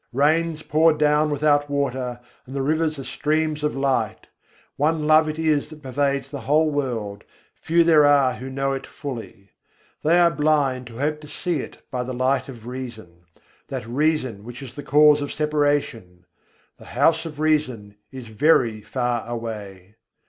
Rains pour down without water, and the rivers are streams of light. One Love it is that pervades the whole world, few there are who know it fully: They are blind who hope to see it by the light of reason, that reason which is the cause of separation The House of Reason is very far away!